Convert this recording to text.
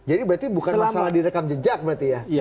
jadi berarti bukan masalah direkam jejak berarti ya